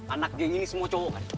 anak geng ini semua cowok kan